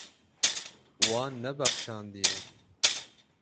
Wan nebexşandiye.